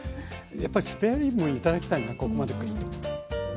やっぱりスペアリブも頂きたいなここまでくると。